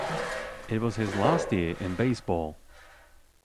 It was his last year in baseball.